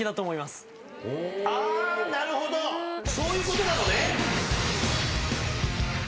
あなるほどそういうことなのね。